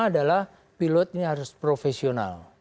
adalah pilot ini harus profesional